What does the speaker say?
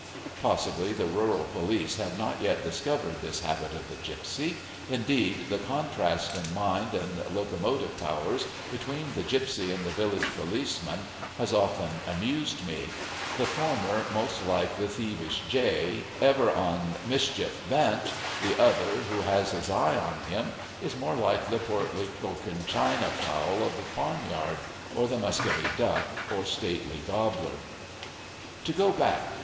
Possibly the rural police have not yet discovered this habit of the gipsy. Indeed, the contrast in mind and locomotive powers between the gipsy and the village policeman has often amused me; the former most like the thievish jay, ever on mischief bent; the other, who has his eye on him, is more like the portly Cochin China fowl of the farmyard, or the Muscovy duck, or stately gobbler. To go back.